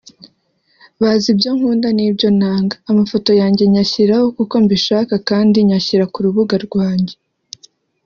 bazi ibyo nkunda n’ibyo nanga… Amafoto yanjye nyashyiraho kuko mbishaka kandi nyashyira kurubuga rwanjye